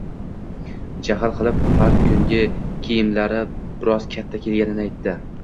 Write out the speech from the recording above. Jahl qilib, har kungi kiyimlari biroz katta kelganini aytdi